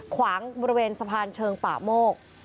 ขวางบริเวณสะพานเชิงป่าโมก